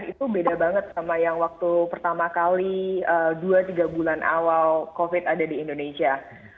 itu beda banget sama yang waktu pertama kali dua tiga bulan awal covid ada di indonesia